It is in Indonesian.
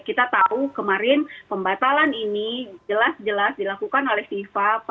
kita tahu kemarin pembatalan ini jelas jelas dilakukan oleh fifa